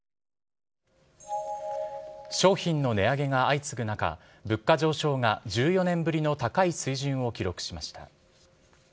商品の値上げが相次ぐ中物価上昇が１４年ぶりの高い水準を記録しました。